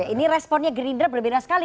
ini responnya gerindra berbeda sekali